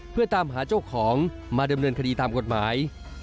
เพื่อตามหาเจ้าของมาดำเนินคดีตามกฎหมาย